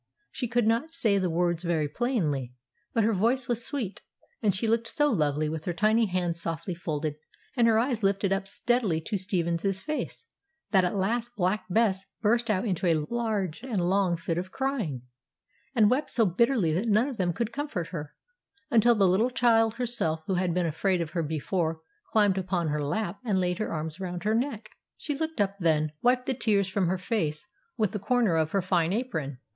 She could not say the words very plainly, but her voice was sweet, and she looked so lovely with her tiny hands softly folded, and her eyes lifted up steadily to Stephen's face, that at last Black Bess burst out into a loud and long fit of crying, and wept so bitterly that none of them could comfort her, until the little child herself, who had been afraid of her before, climbed upon her lap and laid her arms round her neck. She looked up then, and wiped the tears from her face with the corner of her fine apron.